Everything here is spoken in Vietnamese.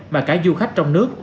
mà cả du khách trong nước